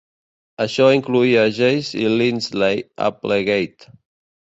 Això incloïa Jesse i Lindsay Applegate.